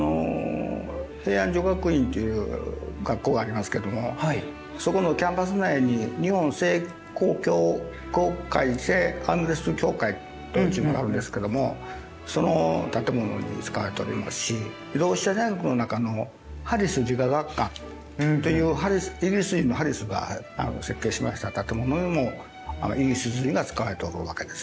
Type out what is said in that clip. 平安女学院という学校がありますけどもそこのキャンパス内に日本聖公会聖アグネス教会というのがあるんですけどもその建物に使われておりますし同志社大学の中のハリス理化学館というイギリス人のハリスが設計しました建物にもイギリス積みが使われておるわけです。